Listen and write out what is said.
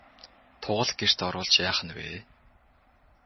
Тугал гэрт оруулж яах нь вэ?